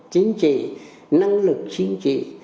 chính trị năng lực chính trị